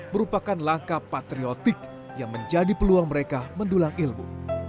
merupakan langkah patriotik yang menjadi peluang mereka mendulang ilmu